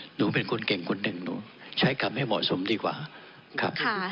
หนูเป็นคนเก่งคนหนึ่งหนูใช้คำให้เหมาะสมดีกว่าครับ